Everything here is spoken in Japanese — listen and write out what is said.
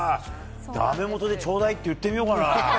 だめもとでちょうだいって言ってみようかな。